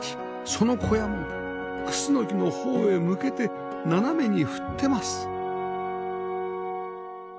その小屋もクスノキの方へ向けて斜めに振ってます